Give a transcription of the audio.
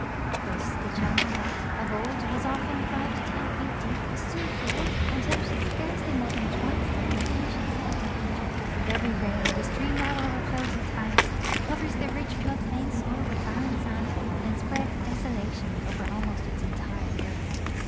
Thus the channel that of old was often five to ten feet deej) is soon filled until it is scarcely more than twice so many inches in depth. \\"\{\\ every heavy rain the stream now overllows its banks, covers the rich flood plain soil with l)arren sand, and spreads desolation over almost its entire area.